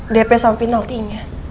dp dan penaltinya